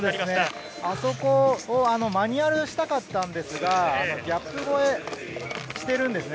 あそこをマニュアルにしたかったんですが、ギャップ越えしているんですね。